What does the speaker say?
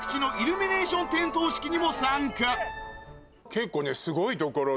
結構ね。